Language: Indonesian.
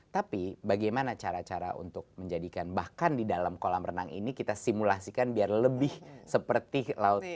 tapi bagaimana cara cara untuk menjadikan bahkan di dalam kolam renang ini kita simulasikan biar lebih seperti laut